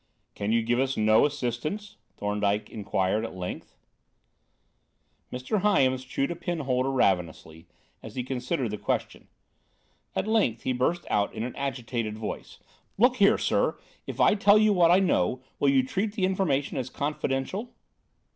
"Can you give us no assistance?" Thorndyke inquired, at length. Mr. Hyams chewed a pen holder ravenously, as he considered the question. At length, he burst out in an agitated voice: "Look here, sir, if I tell you what I know, will you treat the information as confidential?